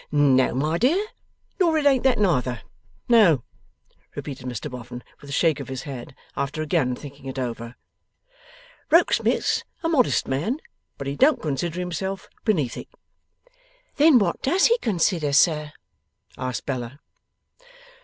'No, my dear; nor it ain't that, neither. No,' repeated Mr Boffin, with a shake of his head, after again thinking it over; 'Rokesmith's a modest man, but he don't consider himself beneath it.' 'Then what does he consider, sir?' asked Bella.